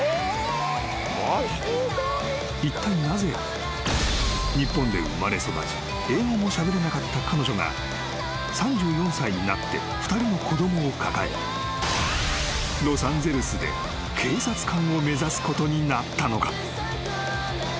［いったいなぜ日本で生まれ育ち英語もしゃべれなかった彼女が３４歳になって２人の子供を抱えロサンゼルスで警察官を目指すことになったのか？］